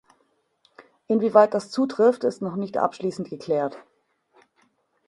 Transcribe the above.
Inwieweit das zutrifft, ist noch nicht abschließend geklärt.